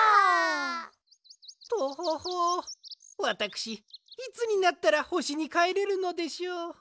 わたくしいつになったらほしにかえれるのでしょう。